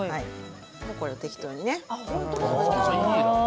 それで適当にね。